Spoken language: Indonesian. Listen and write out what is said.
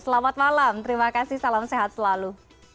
selamat malam terima kasih salam sehat selalu